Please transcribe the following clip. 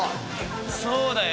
「そうだよ。